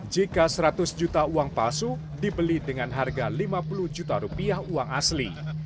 jika seratus juta uang palsu dibeli dengan harga lima puluh juta rupiah uang asli